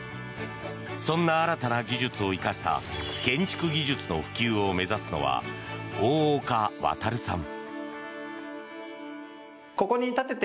そんな新たな技術を生かした建築技術の普及を目指すのは大岡航さん。